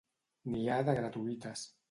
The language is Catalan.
N'hi ha de gratuïtes.